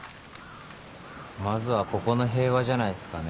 まずはここの平和じゃないっすかね。